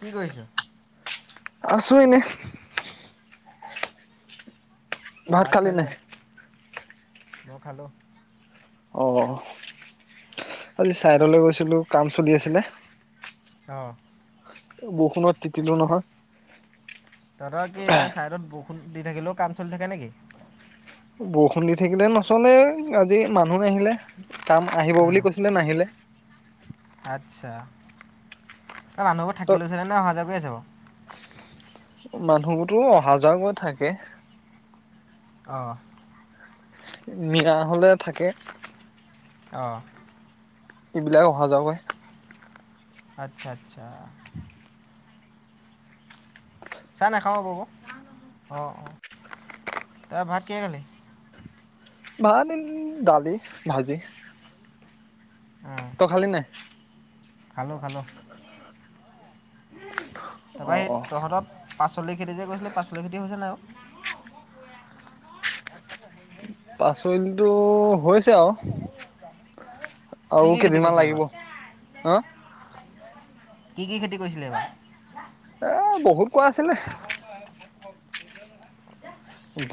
কি কৰিছ আছো এনে ভাৰ চালি নে ম খালো অ আজি চাইদলৈ গৈছিলো কাম চলি আছিলে, অ। বৰষুণত তিটো নহয় ধৰা কি এতিয়া ছাইডত বু ফ দি থাকিলেও কাম চলি থাকে নেকি? বৰষুণ দি থাকিলে নচলে আজি মানুহ নাহিলে। কাম আহিব বুলি কৈছিলে নাহিলে। আচ্ছা। এই মানুহবোৰ ত থাকিল লৈছেে নে অহা যোৱা কৰি আছে বাৰ মানুহবোৰতো অহা যোৱা গ থাকে। অঁ মিয়া হলে থাকে। অঁ এইবিলাক অহা যোৱাগৈ। আচ্ছা আচ্ছা। [unintelligible] চাই নাখাওঁ কব অ অ তাৰ ভাত কি খালি। ভাল দালি ভাজি। তই খালি নাই। খালো খালো। অ তাৰপৰা সেই অ তহঁতক পাচলি। খেতি যে কৰিছিলে পাচললৈ খেতি হৈছে নাই আৰু। পাচললিটো হৈছে আৰু। কি কি আৰু খেতি কেইদিনমান কৰিছিলে লাগিব এইবাৰ হ। কি কি খেতি কৰিছিলে এইবাৰ। এ বহুত কোৱা আছিলে।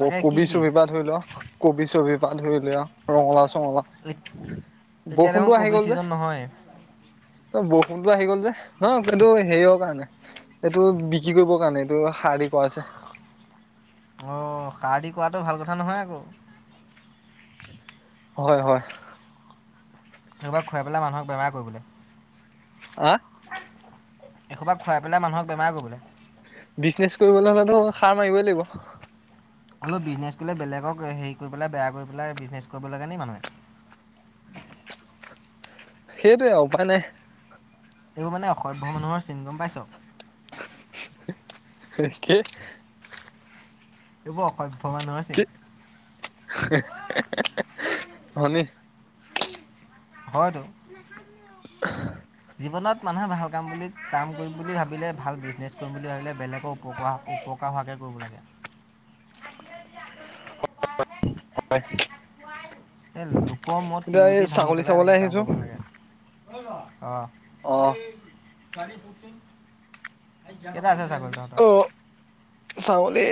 ব কি কোবি কি চুব পৰা ধৰি লও। কবি চবি পা ধৰি লিয় ৰঙলা এত- চ। এতিয়া দেখোন বৰষুণটো আহি ক'ভিড গল যে ছিজন নহয় বৰ। ফোনটো আহি গল যে ন এইটো হেৰি হ কাৰণে এইটো বিক্ৰী কৰিবৰ কাৰণে এইটো সাৰ দি পছে। অঁ শাৰ দি কোৱাটো ভাল কথা নহয় আকৌ। হয় হয়। কোবাক খুৱাই পেলাই মানুহক বেমাৰ কৰিবলৈ। আহ এসোবা খুৱাই। পেলাই মানুহক বেমাৰ কৰিবলৈ বিজনেচ কৰিব নাগে ধ। সাৰ মাৰিবই লাগিব। অলপ বিজনেছ কৰিলে বেলেগক হেৰি কৰি পেলাই বেয়া কৰি পেলাই বিজনেছ কৰিব লাগে নি মানুহে। সেইটোৱে উপ নাই। এইব মানে অসভ্্য মানুহৰ চিন গম পাইছ। কি এইবোৰ অসভ্য মানুহৰ কি চিন। হয়নি হয়তো [unintelligible] জীৱনত মানুহে ভাল কাম বুলি কাম কৰিম বুলি ভাবিলে ভাল বিজনেছ কৰিম বুলি ভাবিলে বেলেগৰ উপকাৰ উপকাৰ হোৱাকে কৰিব লাগে হয় এই লোকৰ মূৰত এতিয়া শিলগুটি এই ছাগলী চাবলৈ আহিছো অ অ এই গ়ি প [unintelligible] এটা আছে ছাগলী তহঁতৰ অ ছাগলী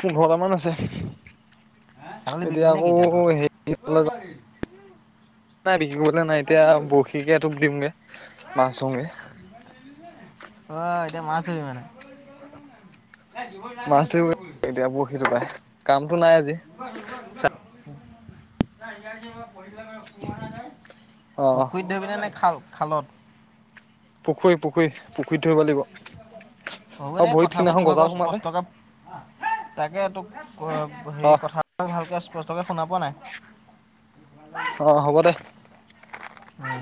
পোন্ধৰটামান আছে ছাগলী বিকিবি নেকি এতিয়া তহতে তাবিছ গলে নাই এতিয়া কি কৰিছে বৰশীকে টোপ দিমগে মাছ ধৰোগে অ' এতিয়া মাছ ধৰিম মানে। নাই জীৱন নাই মাছ নহয় ধৰিব ধ্যানে এতিয়া বৰশিটো পাই কামটো নাই। আজি ৰব ৰ ৰবছ [unintelligible] ন আহয়াৰ যিব অ [unintelligible] পুখুৰীত ধৰিবি নে খাল খালত পুখুৰীত পুখুৰী ধৰিব লাগিব হ'ব অ দে ভৰিত কথাবোৰ সিদিনাখন তোৰ গজাল ভাগৰ সোমালে স্পষ্টকে তাকে তোক অ হেৰি কথা ভালকে স্পষ্টকে শুনা পোৱা নাই অ হ'ব দে উম